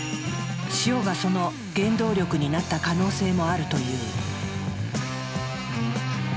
塩がその原動力になった可能性もあるという。